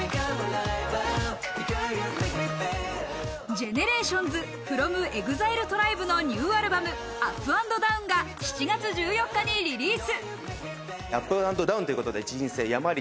ＧＥＮＥＲＡＴＩＯＮＳｆｒｏｍＥＸＩＬＥＴＲＩＢＥのニューアルバム『Ｕｐ＆Ｄｏｗｎ』が７月１４日にリリース。